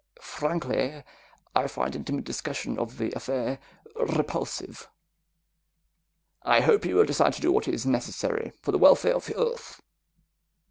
"Frankly, I find intimate discussion of the affair repulsive. I hope you will decide to do what is necessary for the welfare of Earth."